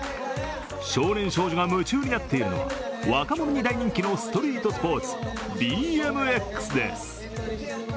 少年少女が夢中になっているのは若者に大人気のストリートスポーツ、ＢＭＸです。